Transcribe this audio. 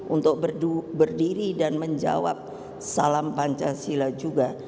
untuk berdiri dan menjawab salam pancasila juga